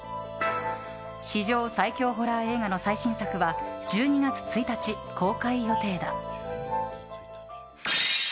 史上最恐ホラー映画の最新作は１２月１日公開予定だ。